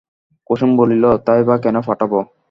কুসুম বলিল, তাই বা কেন পাঠাব?